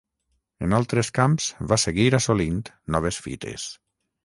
En altres camps va seguir assolint noves fites.